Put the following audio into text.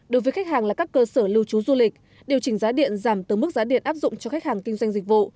đối với khách hàng là các cơ sở lưu trú du lịch điều chỉnh giá điện giảm từ mức giá điện áp dụng cho khách hàng kinh doanh dịch vụ